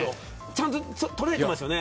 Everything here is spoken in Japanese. ちゃんと捉えてますよね。